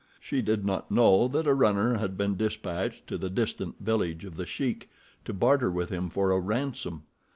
She did not know that a runner had been dispatched to the distant village of The Sheik to barter with him for a ransom.